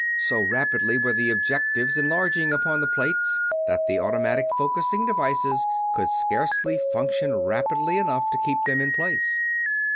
So rapidly were the objectives enlarging upon the plates that the automatic focusing devices could scarcely function rapidly enough to keep them in place.